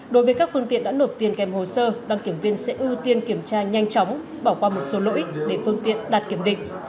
đối với các phương tiện đã nộp tiền kèm hồ sơ đăng kiểm viên sẽ ưu tiên kiểm tra nhanh chóng bỏ qua một số lỗi để phương tiện đạt kiểm định